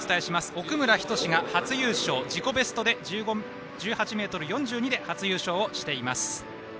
奥村仁志が初優勝、自己ベスト１８ｍ４２で初優勝しています。